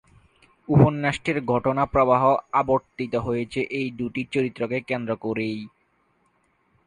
উপন্যাসটির ঘটনা প্রবাহ আবর্তিত হয়েছে এই দু'টি চরিত্রকে কেন্দ্র করেই।